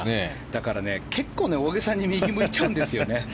だから、結構大げさに右を向いちゃうんですよね。